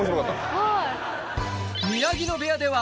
はい。